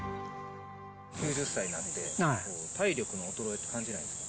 ９０歳になって体力の衰えってかんじないんですか。